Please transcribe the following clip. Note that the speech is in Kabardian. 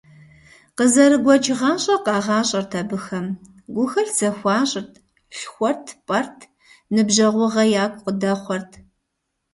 Къызэрыгуэкӏ гъащӏэ къагъэщӏырт абыхэм: гухэлъ зэхуащӏырт, лъхуэрт-пӏэрт, ныбжьэгъугъэ яку къыдэхъуэрт.